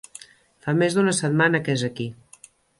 Fa més d'una setmana que és aquí.